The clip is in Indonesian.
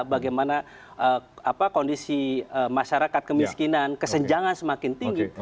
bagaimana kondisi masyarakat kemiskinan kesenjangan semakin tinggi